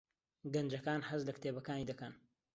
گەنجەکان حەز لە کتێبەکانی دەکەن.